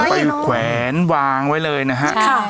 ไปแขวนวางไว้เลยนะ